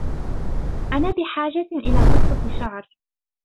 أنا بحاجة إلى قَصِة شَعر.